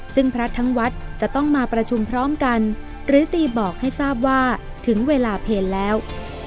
ซึ่งพระทั้งวัดจะต้องมาประชุมพร้อมกันหรือตีบอกให้ทราบว่าถึงเวลาเพลแล้ว